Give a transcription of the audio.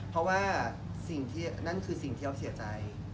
เพราะว่านั่นคือสิ่งที่อ๊อฟเสียใจ